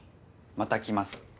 また来ます。